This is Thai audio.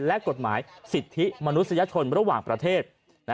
และกฎหมายสิทธิมนุษยชนระหว่างประเทศ